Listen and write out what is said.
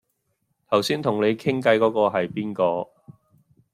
頭先同你傾偈嗰嗰係邊個